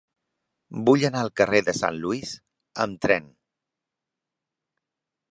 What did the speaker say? Vull anar al carrer de Saint Louis amb tren.